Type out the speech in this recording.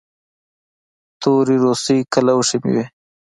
تورې روسۍ کلوشې مې وې.